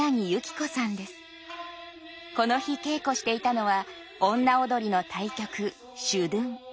この日稽古していたのは女踊の大曲「諸屯」。